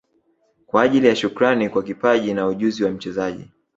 Kwa ajili ya Shukrani kwa kipaji na ujuzi wa mchezaji